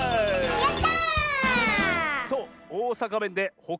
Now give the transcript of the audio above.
やった！